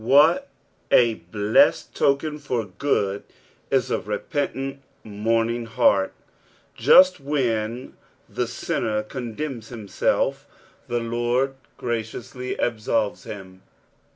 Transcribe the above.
What a blessed token for good is a repentant, mourning heart ! Just when the sinner condemns himself, the Lord graciously absolves him.